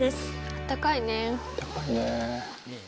あったかいね。